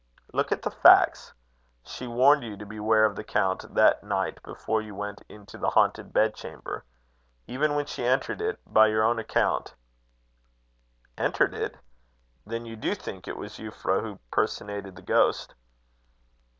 Look at the facts. She warned you to beware of the count that night before you went into the haunted bed chamber. Even when she entered it, by your own account " "Entered it? Then you do think it was Euphra who personated the ghost?"